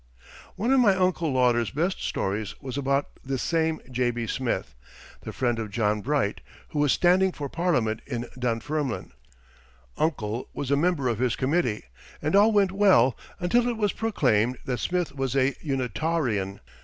One of my Uncle Lauder's best stories was about this same J.B. Smith, the friend of John Bright, who was standing for Parliament in Dunfermline. Uncle was a member of his Committee and all went well until it was proclaimed that Smith was a "Unitawrian."